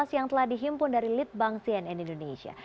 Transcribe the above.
yang telah dihimpun dari litbang cnn indonesia